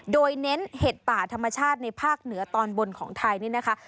โดยเน้นเห็ดป่าธรรมชาติในภาคเหนือตอนบนของไทยนี่นะคะ